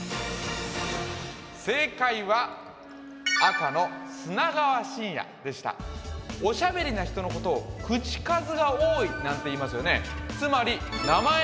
正解は赤の砂川信哉でしたおしゃべりな人のことを口数が多いなんていいますよね